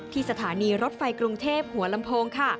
สถานีรถไฟกรุงเทพหัวลำโพงค่ะ